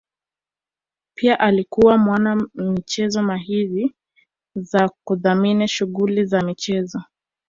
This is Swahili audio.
pia alikuwa mwana michezo mahiri kwa kudhamini shughuli za michezo